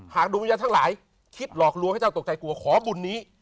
ดวงวิญญาณทั้งหลายคิดหลอกลวงให้เจ้าตกใจกลัวขอบุญนี้